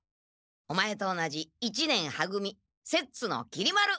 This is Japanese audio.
お前と同じ一年は組摂津のきり丸。